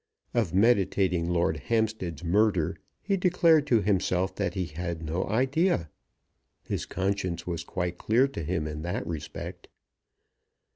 Of meditating Lord Hampstead's murder he declared to himself that he had no idea. His conscience was quite clear to him in that respect.